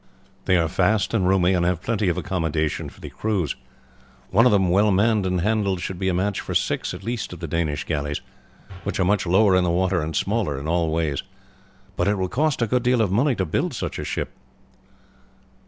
They are fast and roomy, and have plenty of accommodation for the crews. One of them well manned and handled should be a match for six at least of the Danish galleys, which are much lower in the water and smaller in all ways. But it will cost a good deal of money to build such a ship."